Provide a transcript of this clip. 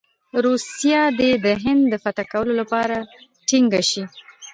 روسیه دې د هند د فتح کولو لپاره ټینګه شي.